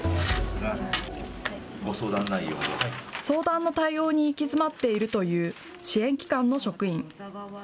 相談の対応に行き詰まっているという支援機関の職員。